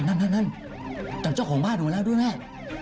นั่นน่ะจัดเจ้าของบ้านหนูมาแล้วด้วยแม่